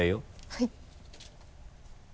はい。